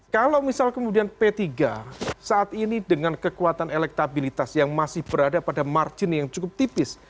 kalau misal kemudian p tiga saat ini dengan kekuatan elektabilitas yang masih berada pada margin yang cukup tipis